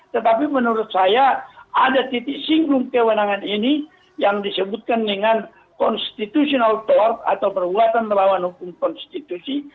tetapi menurut saya ada titik singgung kewenangan ini yang disebutkan dengan constitutional tour atau perbuatan melawan hukum konstitusi